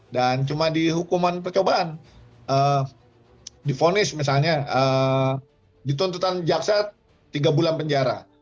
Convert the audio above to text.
dan cuma di hukuman percobaan di vonis misalnya dituntutan jaksat tiga bulan penjara